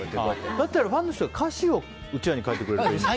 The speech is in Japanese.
だったら、ファンの人が歌詞をうちわに書いてくれたらね。